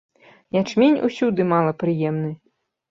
Ячмень усюды мала прыемны.